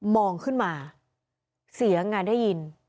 มองขึ้นมาเสียงอ่ะได้ยิน